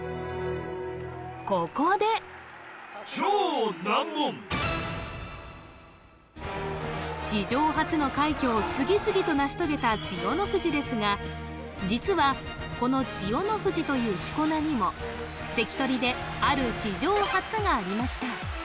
ここで史上初の快挙を次々と成し遂げた千代の富士ですが実はこの千代の富士という四股名にも関取である史上初がありました